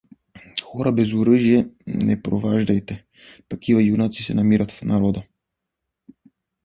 Хора без оръжие не проваждайте, такива юнаци се намират в народа.